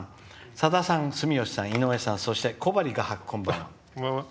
「さださん、井上さん、住吉さんそして小針画伯こんばんは」。